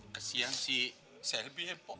kesian si selby ya pak